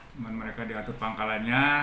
cuma mereka diatur pangkalannya